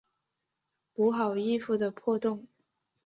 补好衣服的破洞